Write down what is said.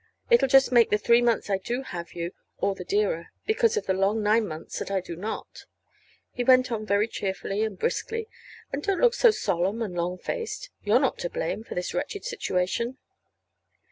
It'll just make the three months I do have you all the dearer, because of the long nine months that I do not," he went on very cheerfully and briskly; "and don't look so solemn and long faced. You're not to blame for this wretched situation."